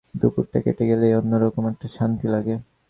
দুপুরটা কেটে গেলেই অন্যরকম একটা শান্তি লাগে।